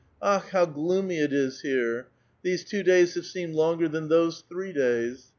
Akh ! how gloomy it is here ! These two days have seemed longer than those three days.